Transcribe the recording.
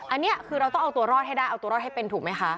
อันนี้คือเราต้องเอาตัวรอดให้ได้เอาตัวรอดให้เป็นถูกไหมคะ